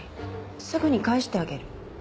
すぐに返してあげる。